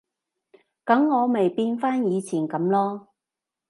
噉我咪變返以前噉囉